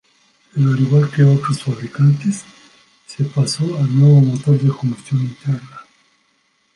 Pero al igual que otros fabricantes, se pasó al nuevo motor de combustión interna.